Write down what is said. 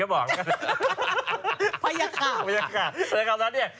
ภัยยะข่าวค่ะภัยยะข่าวค่ะภัยยะข่าวนั้นเนี่ย